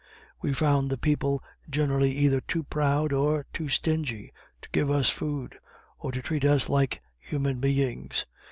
We found the people generally either too proud or too stingy to give us food, or to treat us like human beings.